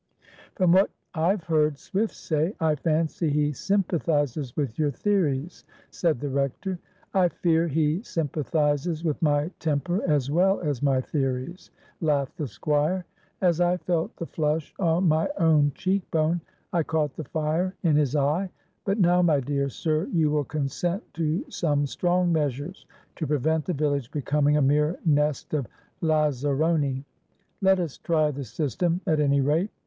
"From what I've heard Swift say, I fancy he sympathizes with your theories," said the Rector. "I fear he sympathizes with my temper as well as my theories!" laughed the Squire. "As I felt the flush on my own cheek bone, I caught the fire in his eye. But now, my dear sir, you will consent to some strong measures to prevent the village becoming a mere nest of lazzaroni? Let us try the system at any rate.